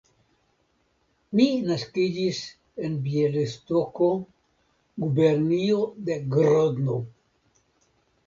Mi naskiĝis en Bjelostoko, gubernio de Grodno.